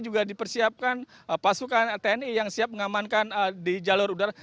juga dipersiapkan pasukan tni yang siap mengamankan di jalur udara